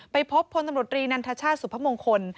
ไปพบพลตำรวจรีนันทชาติสุพมงคล